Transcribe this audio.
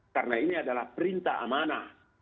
karena ini adalah perintah amanah